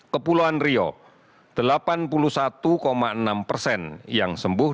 kepulauan rio delapan puluh satu enam persen yang sembuh